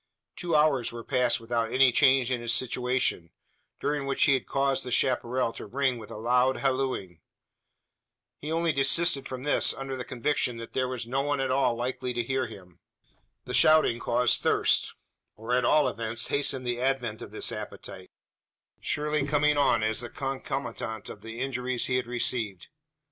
Two hours were passed without any change in his situation; during which he had caused the chapparal to ring with a loud hallooing. He only desisted from this, under the conviction: that there was no one at all likely to hear him. The shouting caused thirst; or at all events hastened the advent of this appetite surely coming on as the concomitant of the injuries he had received.